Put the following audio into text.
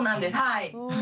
はい。